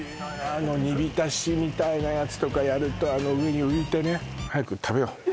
あの煮びたしみたいなやつとかやるとあの上に浮いてね